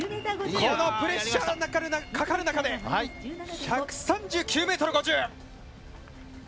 プレッシャーがかかる中で１３９ｍ５０！